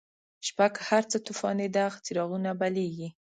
شپه که هرڅه توفانیده، څراغونه لابلیږی